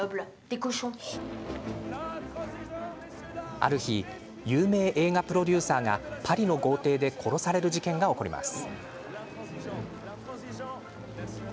ある日有名映画プロデューサーがパリの豪邸で殺される事件が起こります。